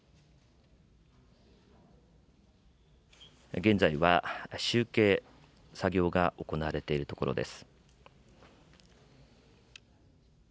現在は集計作業が行われているところです。